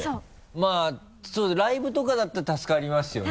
まぁそうですねライブとかだったら助かりますよね。